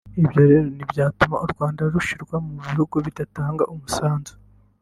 Ibyo rero ntibyatuma u Rwanda rushyirwa mu bihugu bidatanga umusanzu